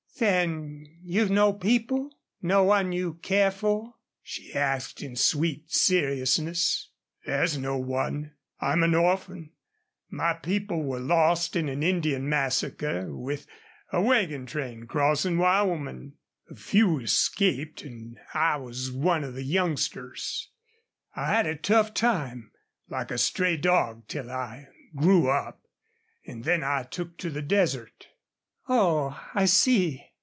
"Then you've no people no one you care for?" she asked, in sweet seriousness. "There's no one. I'm an orphan. My people were lost in an Indian massacre with a wagon train crossin' Wyomin'. A few escaped, an' I was one of the youngsters. I had a tough time, like a stray dog, till I grew up. An' then I took to the desert." "Oh, I see.